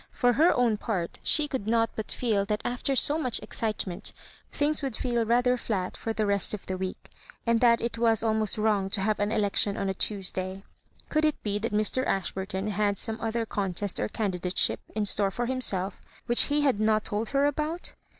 For her own part, she could not but feel that after so much excite ment thmgs would feel rather flat for the rest of Digitized by VjOOQIC 166 MISS MABJORIBANEa the week, and that it waa almost wrong to have an election on a Tuesday. Gould it be that Mr. Asbburton had some other contest or candidate ship in store for himself which he had not told her about